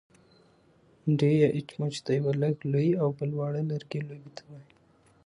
ډی يا اچموچ د يوۀ لږ لوی او بل واړۀ لرګي لوبې ته وايي.